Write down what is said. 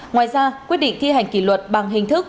ngoài ra quyết định thi hành kỷ luật bằng hình thức